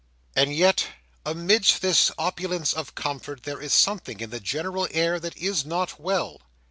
And yet amidst this opulence of comfort, there is something in the general air that is not well.